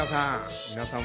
皆さん。